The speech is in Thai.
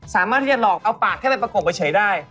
สามารถที่จะหลอกเอาปากแค่ไปประกบเฉยได้